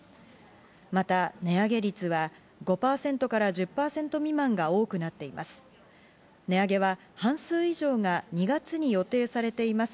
また値上げ率は５％から１０％未満が多くなっています。